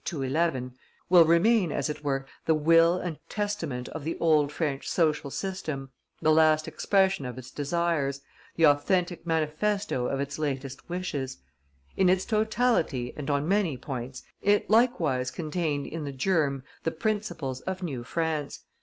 211], "will remain as it were the will and testament of the old French social system, the last expression of its desires, the authentic manifesto of its latest wishes. In its totality and on many points it likewise contained in the germ the principles of new France.